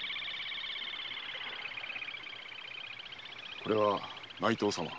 これは内藤様。